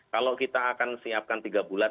kalau kita akan siapkan tiga bulan